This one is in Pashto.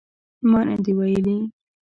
ما نه دي ویلي